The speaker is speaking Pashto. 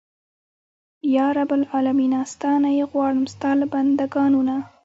یا رب العالمینه ستا نه یې غواړم ستا له بنده ګانو نه.